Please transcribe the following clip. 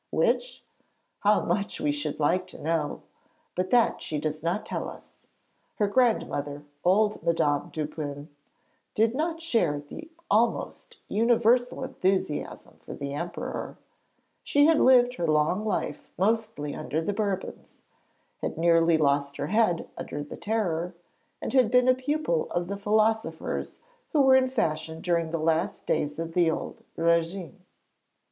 Which? How much we should like to know! But that she does not tell us. Her grandmother, old Madame Dupin, did not share the almost universal enthusiasm for the Emperor she had lived her long life mostly under the Bourbons, had nearly lost her head under the Terror, and had been a pupil of the philosophers who were in fashion during the last days of the old régime.